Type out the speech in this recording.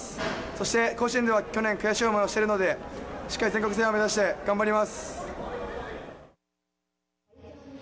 そして甲子園では去年悔しい思いをしているのでしっかり全国制覇を目指して頑張ります。